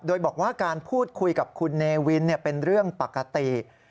โดยบอกว่าการพูดคุยกับคุณเนวินเป็นเรื่องปกติ